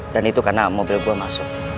dan itu karena mobil gua masuk